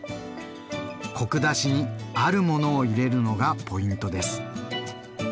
コク出しにあるものを入れるのがポイントです。